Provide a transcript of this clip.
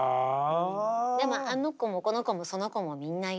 でもあの子もこの子もその子もみんないるけど。